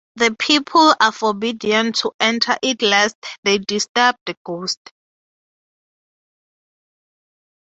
The people are forbidden to enter it lest they disturb the ghost